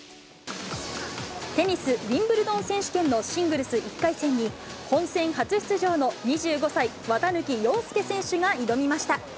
テニスウィンブルドン選手権のシングルス１回戦に、本戦初出場の２５歳、綿貫陽介選手が挑みました。